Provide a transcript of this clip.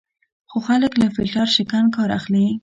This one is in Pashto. خو خلک له فیلټر شکن کار اخلي.